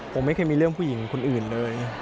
ผมไม่เคยมีเรื่องผู้หญิงคนอื่นเลย